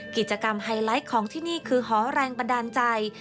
ไฮไลท์ของที่นี่คือหอแรงบันดาลใจ